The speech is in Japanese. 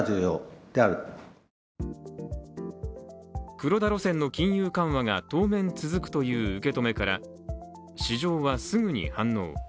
黒田路線の金融緩和が当面続くという受け止めから、市場はすぐに反応。